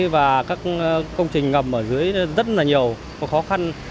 và các công trình ngầm ở dưới rất là nhiều khó khăn